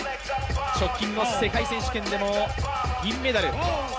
直近の世界選手権でも銀メダル。